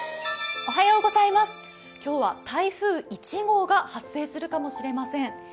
今日は台風１号が発生するかもしれません。